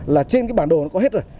là trên cái bản đồ nó có hết rồi